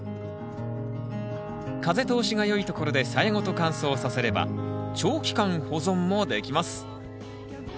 風通しが良いところでさやごと乾燥させれば長期間保存もできます